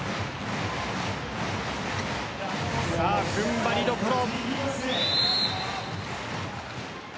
踏ん張りどころ。